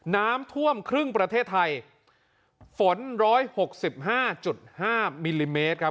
น้ำท่วมครึ่งประเทศไทยฝนร้อยหกสิบห้าจุดห้ามิลลิเมตรครับ